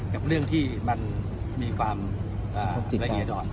กับเรื่องที่มันมีความละเอียดออก